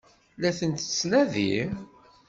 La tent-tettnadi?